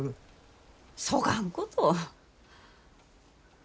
そがんこと。